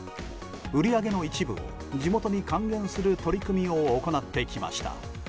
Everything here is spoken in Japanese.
売り上げの一部を地元に還元する取り組みを行ってきました。